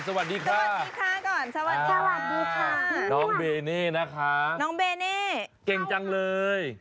สวัสดีครับสวัสดีค่ะก่อนสวัสดีค่ะน้องเบเน่นะคะน้องเบเน่เก่งจังเลย